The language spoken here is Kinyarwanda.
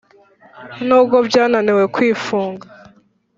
Nubwo byananiye kwifunga